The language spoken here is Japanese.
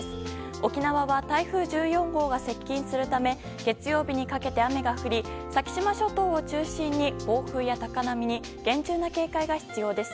沖縄は台風１４号が接近するため月曜日にかけて雨が降り先島諸島を中心に、暴風や高波に厳重な警戒が必要です。